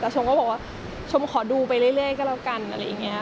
แต่ชมก็บอกว่าชมขอดูไปเรื่อยก็แล้วกันอะไรอย่างนี้